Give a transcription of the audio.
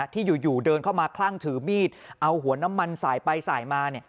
ที่อยู่เดินเข้ามาคลั่งถือมีดเอาหัวน้ำมันสายไปสายมา